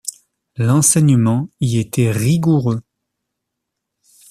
L'enseignement y était rigoureux.